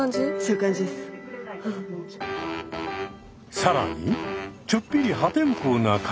更にちょっぴり破天荒な解消法も。